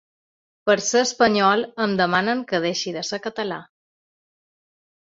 Per ser espanyol em demanen que deixi de ser català.